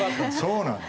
そうなの？